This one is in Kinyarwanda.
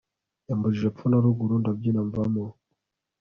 yambujije epfo na ruguru, ndabyina mvamo